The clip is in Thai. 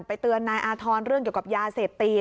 เตือนนายอาธรณ์เรื่องเกี่ยวกับยาเสพติด